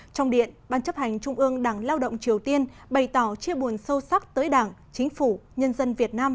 trong điện ban chấp hành trung ương đảng lao động triều tiên bày tỏ chia buồn sâu sắc tới đảng chính phủ nhân dân việt nam